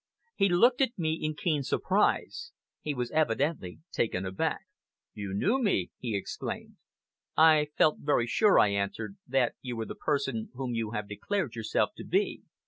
He looked at me in keen surprise. He was evidently taken aback. "You knew me?" he exclaimed. "I felt very sure," I answered, "that you were the person whom you have declared yourself to be.